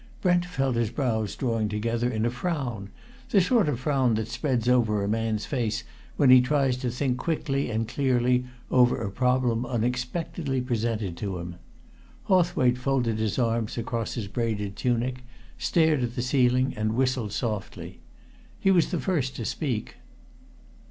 Brent felt his brows drawing together in a frown the sort of frown that spreads over a man's face when he tries to think quickly and clearly over a problem unexpectedly presented to him. Hawthwaite folded his arms across his braided tunic, stared at the ceiling, and whistled softly. He was the first to speak.